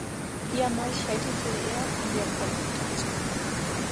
Viermal scheiterte er in der Qualifikation.